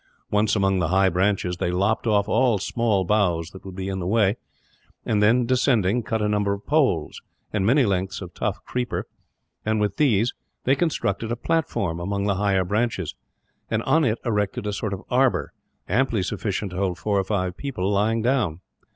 Once among the high branches, they lopped off all small boughs that would be in the way and then, descending, cut a number of poles, and many lengths of tough creeper and, with these, they constructed a platform among the higher branches; and on it erected a sort of arbour, amply sufficient to hold four or five people, lying down.